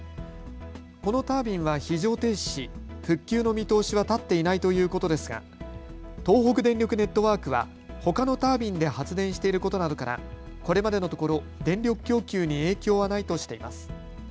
このタービンは非常停止し復旧の見通しは立っていないということですが東北電力ネットワークはほかのタービンで発電していることなどから、これまでのところ電力供給に影響はないとしています。